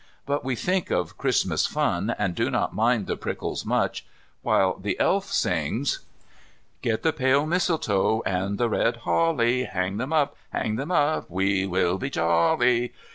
But we think of Christmas fun, and do not mind the prickles much, while the Elf sings: "Get the pale mistletoe, And the red holly. Hang them up, Hang them up, We will be jolly.